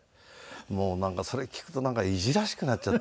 もうなんかそれ聞くといじらしくなっちゃって。